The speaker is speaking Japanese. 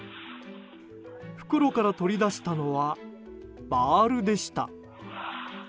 袋から取り出したのはバールでした。